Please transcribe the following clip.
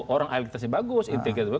orang elektrisnya bagus integritasnya